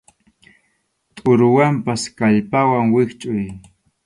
Tʼuruwanpas kallpawan wischʼuy.